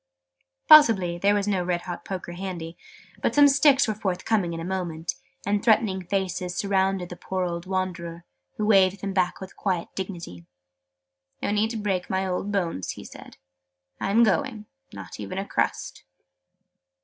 Possibly there was no red hot poker handy: but some sticks were forthcoming in a moment, and threatening faces surrounded the poor old wanderer, who waved them back with quiet dignity. "No need to break my old bones," he said. "I am going. Not even a crust!"